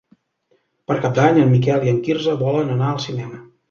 Per Cap d'Any en Miquel i en Quirze volen anar al cinema.